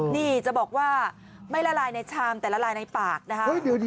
นี่จะบอกว่าไม่ละลายในชามแต่ละลายในปากนะคะ